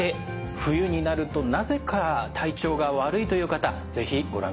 冬になるとなぜか体調が悪いという方是非ご覧ください。